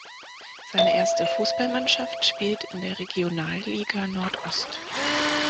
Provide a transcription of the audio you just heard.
Seine erste Fußballmannschaft spielt in der Regionalliga Nordost.